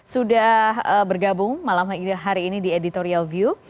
sudah bergabung malam hari ini di editorial view